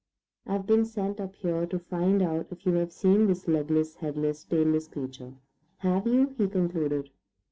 "I've been sent up here to find out if you have seen this legless, headless, tailess creature. Have you?" he concluded.